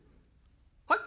「はい？」。